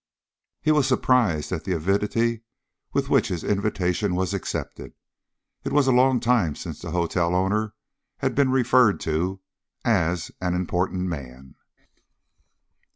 He was surprised at the avidity with which his invitation was accepted. It was a long time since the hotel owner had been referred to as an "important man."